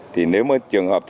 thì nếu mà trường hợp thứ ba